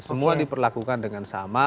semua diperlakukan dengan sama